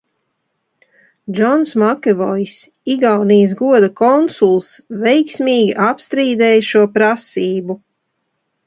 Džons Makevojs, Igaunijas goda konsuls, veiksmīgi apstrīdēja šo prasību.